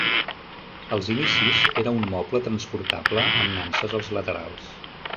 Als inicis era un moble transportable amb nanses als laterals.